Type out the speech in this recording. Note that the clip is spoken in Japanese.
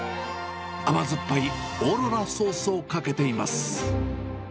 甘酸っぱいオーロラソースをかけています。